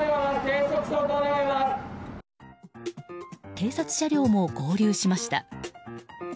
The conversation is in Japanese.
警察車両も合流しました。